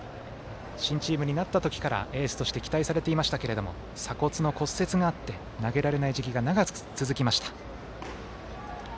新チームになった時からエースとして期待されていましたけれども鎖骨の骨折があって投げられない時期が長く続きました。